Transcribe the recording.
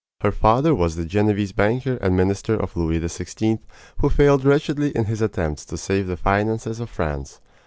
Her father was the Genevese banker and minister of Louis XVI, who failed wretchedly in his attempts to save the finances of France.